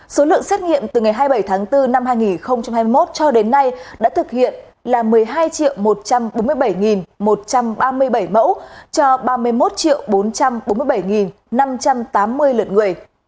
số lượng xét nghiệm từ ngày hai mươi bảy tháng bốn năm hai nghìn hai mươi một cho đến nay đã thực hiện là một mươi hai một trăm bốn mươi bảy một trăm ba mươi bảy mẫu cho ba mươi một bốn trăm bốn mươi bảy năm trăm tám mươi lượt người